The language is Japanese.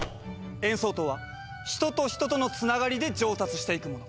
演奏とは人と人とのつながりで上達していくもの。